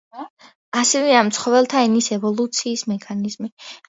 ასევე ამ ცხოველთა ენის ევოლუციის მექანიზმი.